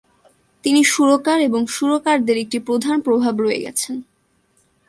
তিনি সুরকার এবং সুরকারদের একটি প্রধান প্রভাব রয়ে গেছেন।